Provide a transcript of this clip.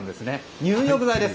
入浴剤です。